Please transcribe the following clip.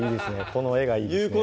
この画がいいですね